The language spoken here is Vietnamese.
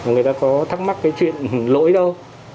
người ta có thắc mắc cái chuyện lỗi đâu